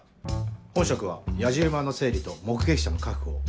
本職はやじ馬の整理と目撃者の確保を。